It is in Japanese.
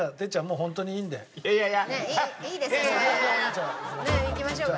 じゃあ行きましょうか。